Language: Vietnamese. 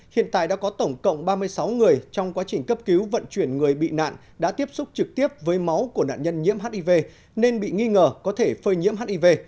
hiện tại đã có tổng cộng ba mươi sáu người trong quá trình cấp cứu vận chuyển người bị nạn đã tiếp xúc trực tiếp với máu của nạn nhân nhiễm hiv nên bị nghi ngờ có thể phơi nhiễm hiv